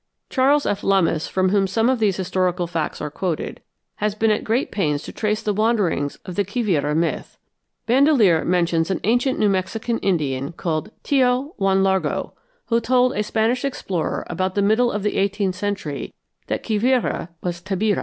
Charles F. Lummis, from whom some of these historical facts are quoted, has been at great pains to trace the wanderings of the Quivira myth. Bandelier mentions an ancient New Mexican Indian called Tio Juan Largo, who told a Spanish explorer about the middle of the eighteenth century that Quivira was Tabirá.